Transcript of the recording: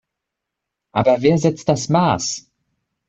Aber wer setzt das Maß?